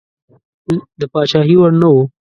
د پاچهي وړ نه وو.